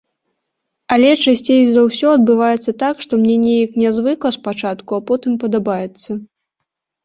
Але часцей за ўсё адбываецца так, што мне неяк нязвыкла спачатку, а потым падабаецца.